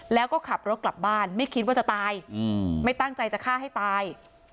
แล้วก็ขับรถกลับบ้านไม่คิดว่าจะตายไม่ตั้งใจจะฆ่าให้ตาย